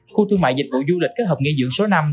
khu thương mại dịch vụ du lịch các hợp nghị dưỡng số năm